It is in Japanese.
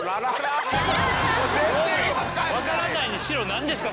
分からないにしろ何ですか？